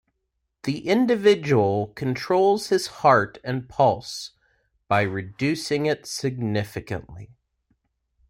The individual controls his heart and pulse by reducing it significantly.